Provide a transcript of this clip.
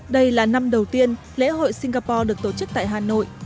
đây là năm đầu tiên lễ hội singapore được tổ chức tại hà nội